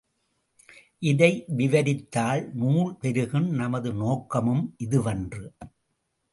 இதை விவரித்தால் நூல் பெருகும் நமது நோக்கமும் இதுவன்று!